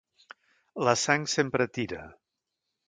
La sang sempre tira.